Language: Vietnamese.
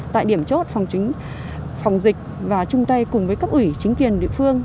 tại điểm chốt phòng dịch và chung tay cùng với các ủy chính kiền địa phương